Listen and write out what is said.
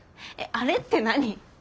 えっあれって何？